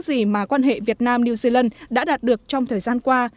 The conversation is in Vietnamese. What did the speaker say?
gì mà quan hệ việt nam new zealand đã đạt được trong thời gian qua